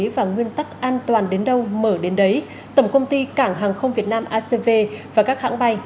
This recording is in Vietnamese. và nguyên tắc an toàn đến đâu mở đến đấy tổng công ty cảng hàng không việt nam acv và các hãng bay